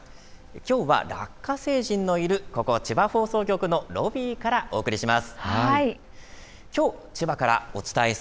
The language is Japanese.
きょうは、ラッカ星人のいるここ千葉放送局のロビーからお送りします。